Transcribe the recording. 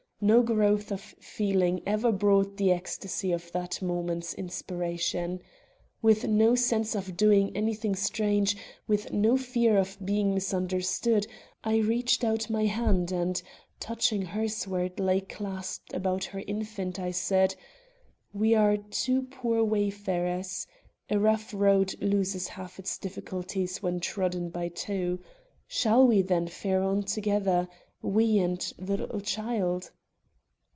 No growth of feeling ever brought the ecstasy of that moment's inspiration. With no sense of doing anything strange, with no fear of being misunderstood, I reached out my hand and, touching hers where it lay clasped about her infant, I said: "We are two poor wayfarers. A rough road loses half its difficulties when trodden by two. Shall we, then, fare on together we and the little child?"